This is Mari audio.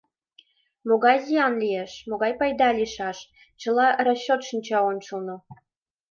Могай зиян лиеш, могай пайда лийшаш — чыла росчёт шинча ончылно.